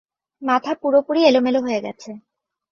মাথা পুরোপুরি এলোমেলো হয়ে গেছে।